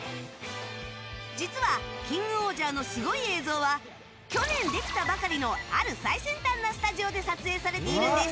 実は「キングオージャー」のすごい映像は去年できたばかりのある最先端なスタジオで撮影されているんです。